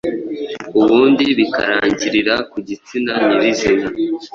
Ubundi bikarangirira ku gitsina nyirizina